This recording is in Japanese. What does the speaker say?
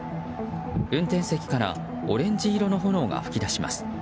運転席部分からオレンジ色の炎が噴き出します。